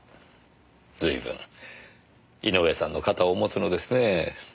ずいぶん井上さんの肩を持つのですねぇ。